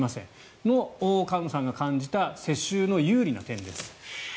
その菅野さんが感じた世襲の有利な点です。